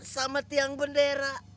sama tiang bendera